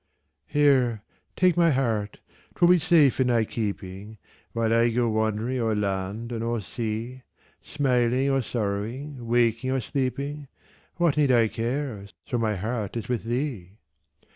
Here, take my heart 'twill be safe in thy keeping, While I go wandering o'er land and o'er sea; Smiling or sorrowing, waking or sleeping, What need I care, so my heart is with thee?